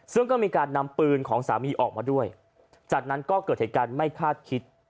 ซึ่งก็มีการนำปืนของสามีออกมาด้วยจากนั้นก็เกิดเหตุการณ์ไม่คาดคิด